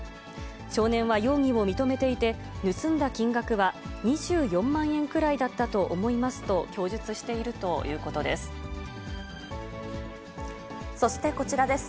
少年は容疑を認めていて、盗んだ金額は２４万円くらいだったと思いますと供述しているといそしてこちらです。